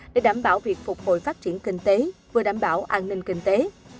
để đảm bảo việc phục hồi phát triển kinh tế vừa đảm bảo an ninh kinh tế